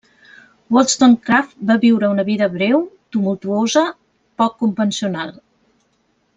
Wollstonecraft va viure una vida breu, tumultuosa, poc convencional.